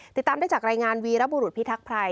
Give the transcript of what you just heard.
ติดตามได้จากรายงานวีรบุรุษพิทักษภัย